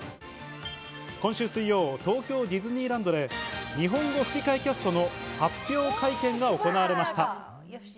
今週水曜、東京ディズニーランドで日本語吹き替えキャストの発表会見が行われました。